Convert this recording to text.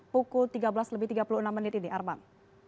pukul tiga belas lebih tiga puluh enam menit ini arman